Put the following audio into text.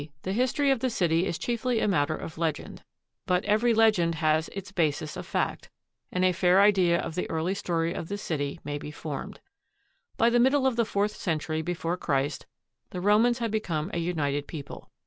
the history of the city is chiefly a matter of legend; but every legend has its basis of fact, and a fair idea of the early story of the city may be formed. By the middle of the fourth century before Christ, the Romans had become a united people.